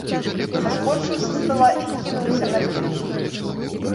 Саскочыў са стала і кінуўся на печ.